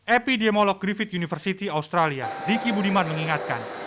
epidemiolog griffith university australia diki budiman mengingatkan